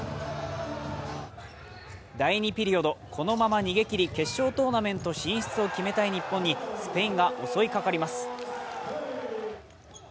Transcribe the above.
第２ピリオド、このまま逃げきり、決勝トーナメント進出を決めたい日本にスペインが襲いかかります。